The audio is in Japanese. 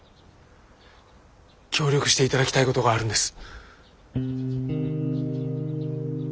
協力して頂きたいことがあるんです。